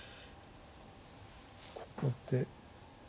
ここで。